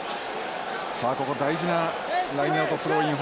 さあここ大事なラインアウトスローイン